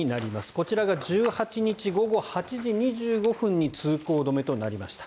こちらが１８日午後８時２５分に通行止めとなりました。